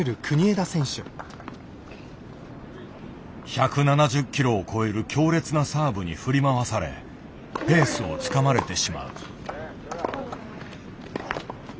１７０キロを超える強烈なサーブに振り回されペースをつかまれてしまう。